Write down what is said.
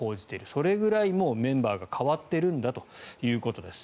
それぐらいメンバーが代わっているんだということです。